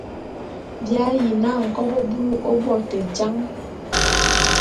Bi ayi na nkobô búlù ô bo te jan.